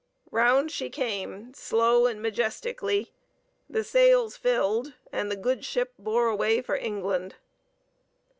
Round she came slow and majestically; the sails filled, and the good ship bore away for England.